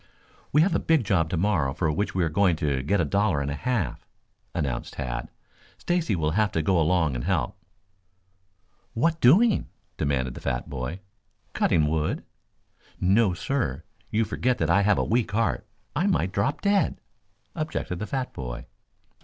"We have a big job tomorrow for which we are going to get a dollar and a half," announced Tad. "Stacy will have to go along and help." "What doing?" demanded the fat boy. "Cutting wood." "No, sir! You forget that I have a weak heart. I might drop dead," objected the fat boy.